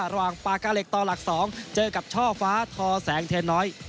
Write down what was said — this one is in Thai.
ปากกาเหล็กต่อหลัก๒เจอกับช่อฟ้าทอแสงเทน้อย